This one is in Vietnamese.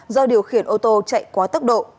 do điều khiển ô tô chạy quá tốc độ